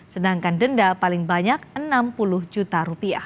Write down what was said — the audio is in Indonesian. sedangkan denda paling banyak rp enam puluh juta